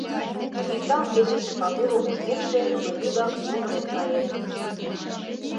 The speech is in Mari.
Пикталт кечыше Пагулым ужмекше, тудо вигак йоҥлен каен.